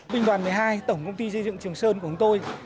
binh đoàn một mươi hai tổng công ty xây dựng trường sơn của chúng tôi